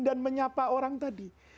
dan menyapa orang tadi